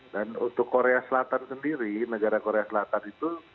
dan untuk korea selatan sendiri negara korea selatan itu